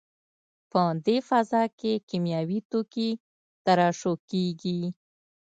په دې فضا کې کیمیاوي توکي ترشح کېږي.